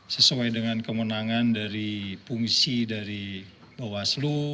sesuai dengan kemenangan dari fungsi dari bawaslu